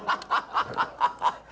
ハハハハ！